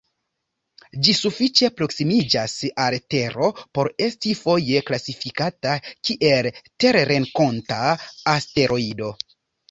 Ĝi sufiĉe proksimiĝas al Tero por esti foje klasifikata kiel terrenkonta asteroido.